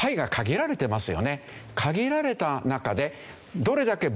限られた中で。